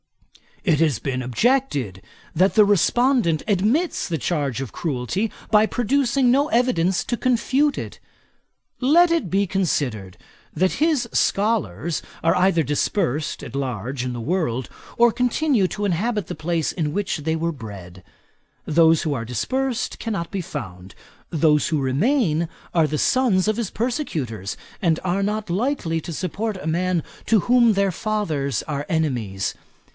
It has been objected, that the respondent admits the charge of cruelty, by producing no evidence to confute it. Let it be considered, that his scholars are either dispersed at large in the world, or continue to inhabit the place in which they were bred. Those who are dispersed cannot be found; those who remain are the sons of his persecutors, and are not likely to support a man to whom their fathers are enemies.